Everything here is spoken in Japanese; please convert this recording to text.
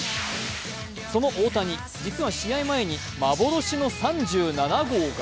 その大谷、実は試合前に幻の３７号が？